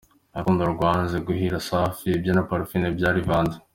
Urukundo rwanze guhira Safi, ibye na Parfine byarivanze.